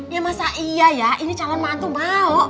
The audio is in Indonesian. ya masa iya ya ini calon mantu mau